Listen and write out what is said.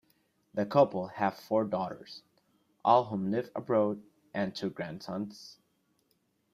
The couple have four daughters, all of whom live abroad, and two grandsons.